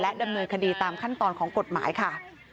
ดำเนินคดีตามขั้นตอนของกฎหมายค่ะ